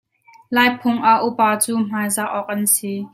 Lai phung ah upa cu hmaizah awk an si.